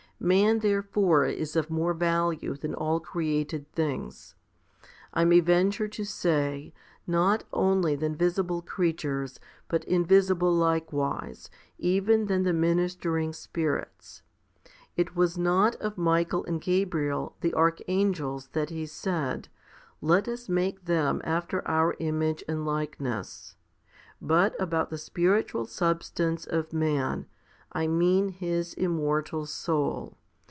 Man, therefore, is of more value than all created things I may 1 2 Cor. iii. 3. 2 Matt. xv. 19. HOMILY XV 117 venture to say, not only than visible creatures, but invisible likewise, even than the ministering spirits. 1 It was not of Michael and Gabriel, the archangels, that He said, Let us make them after Our image and likeness? but about the spiritual substance of man, I mean his immortal soul.